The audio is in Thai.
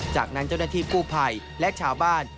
จากนั้นเจ้าหน้าที่กู้ภัยและชาวบ้าน